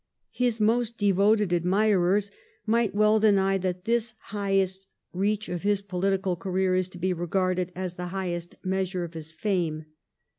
His most devoted admirers might well deny that this highest reach of his political career is to be regarded as the highest measure of his fame.